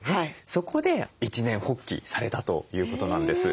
そこで一念発起されたということなんです。